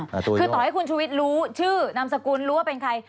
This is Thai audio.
คือต่อให้คุณชุวิตรู้ชื่อนามสกุลรู้ว่าเป็นใคร